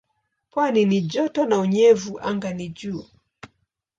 Pwani ni joto na unyevu anga ni juu.